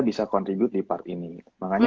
bisa contribute di part ini makanya